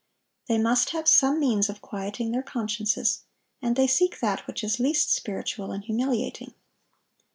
They must have some means of quieting their consciences; and they seek that which is least spiritual and humiliating.